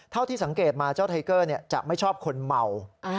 เท่าที่สังเกตมาเจ้าไทเกอร์จะไม่ชอบคนเมา